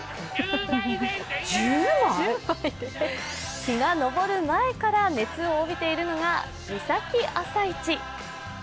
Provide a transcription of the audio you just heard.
日が昇る前から熱を帯びているのが三崎朝市。